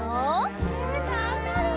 えなんだろう？